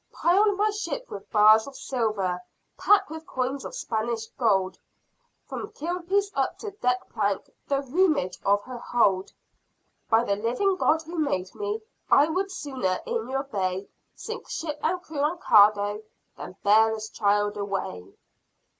"Pile my ship with bars of silver pack with coins of Spanish gold, From keelpiece up to deck plank the roomage of her hold, By the living God who made me! I would sooner in your bay Sink ship and crew and cargo, than bear this child away!"